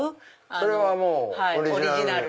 それはオリジナル？